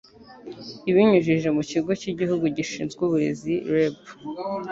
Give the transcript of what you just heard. ibinyujije mu Kigo cy'Igihugu Gishinzwe Uburezi REB